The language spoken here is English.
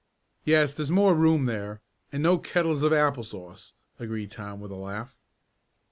"Yes, there's more room there, and no kettles of apple sauce," agreed Tom, with a laugh.